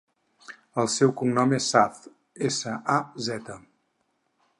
El seu cognom és Saz: essa, a, zeta.